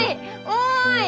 おい！